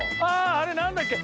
あれ何だっけ？